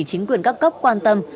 chính quyền các cấp quan tâm